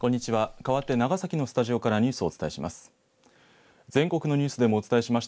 かわって長崎のスタジオからニュースをお伝えします。